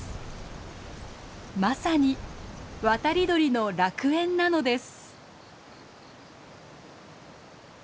まさに渡り鳥の楽園なのです。